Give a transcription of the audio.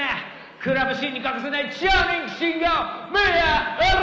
クラブシーンに欠かせない超人気シンガーミア西表！